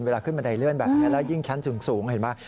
ขึ้นบันไดเลื่อนแบบนี้แล้วยิ่งชั้นสูงเห็นไหม